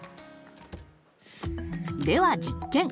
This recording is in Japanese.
では実験！